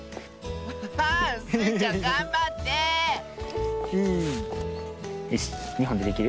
アハハースイちゃんがんばってよし２ほんでできる？